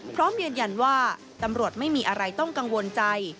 พร้อมยืนยันว่าตำรวจไม่มีอะไรต้องกังวลใจ